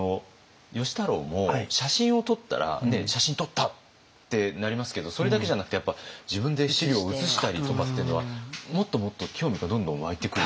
芳太郎も写真を撮ったら写真撮ったってなりますけどそれだけじゃなくて自分で資料を写したりとかっていうのはもっともっと興味がどんどん湧いてくる。